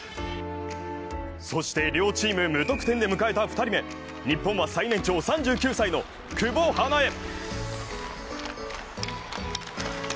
そして、両チーム無得点で迎えた２人目、日本は最年長３９歳の久保英恵。